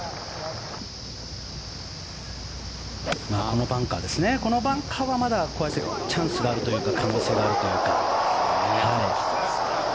この時は谷原とＳ・Ｊ・パクこのバンカーはまだチャンスがあるというか可能性があるというか。